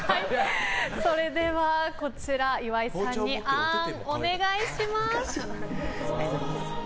それでは岩井さんにあーん、お願いします。